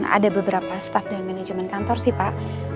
ada beberapa staff dan manajemen kantor sih pak